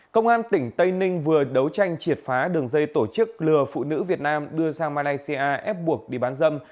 công an tỉnh tây ninh vừa đấu tranh triệt phá đường dây tổ chức lừa phụ nữ việt nam đưa sang malaysia ép buộc đi bán dâm